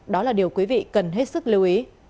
đó là điều quý vị cần hết sức lưu ý